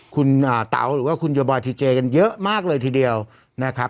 คุณเต๋าหรือว่าคุณโยบอยทีเจกันเยอะมากเลยทีเดียวนะครับ